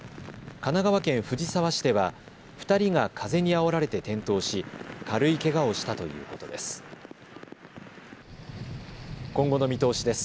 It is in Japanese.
神奈川県藤沢市では２人が風にあおられて転倒し、軽いけがをしたということです。